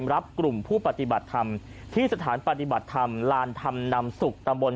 รับกลุ่มผู้ปฏิบัติธรรมที่สถานปฏิบัติธรรมลานธรรมนำสุขตำบล